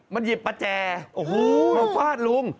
มันหยิบประแจโอ้โหมาฟาดลุง